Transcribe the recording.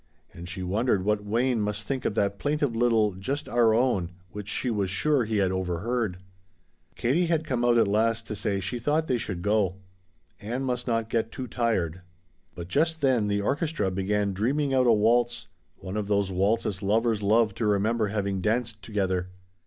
And she wondered what Wayne must think of that plaintive little "Just our own" which she was sure he had overheard. Katie had come out at last to say she thought they should go. Ann must not get too tired. But just then the orchestra began dreaming out a waltz, one of those waltzes lovers love to remember having danced together.